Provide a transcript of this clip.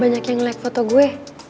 banyak yang ngelihat foto gue